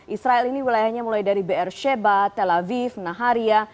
israel ini wilayahnya mulai dari br sheba tel aviv naharia